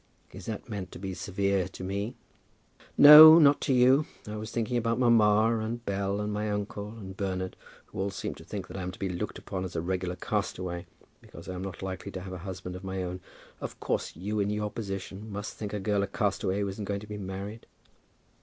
"Is that meant to be severe to me?" "No; not to you. I was thinking about mamma, and Bell, and my uncle, and Bernard, who all seem to think that I am to be looked upon as a regular castaway because I am not likely to have a husband of my own. Of course you, in your position, must think a girl a castaway who isn't going to be married?"